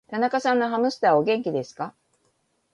田中さんのハムスターは、お元気ですか。